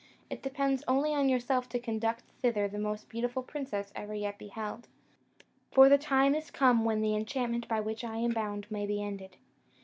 It depends only on yourself to conduct thither the most beautiful princess ever yet beheld, for the time is come when the enchantment by which I am bound may be ended.